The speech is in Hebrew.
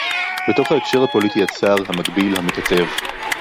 בתוך ההקשר הפוליטי הצר, המגביל, המקטב